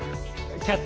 「キャッチ！